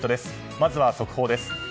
まずは速報です。